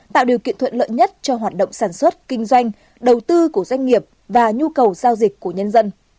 tạo điều kiện thuận lợi nhất cho hoạt động sản xuất kinh doanh đầu tư của doanh nghiệp và nhu cầu giao dịch của nhân dân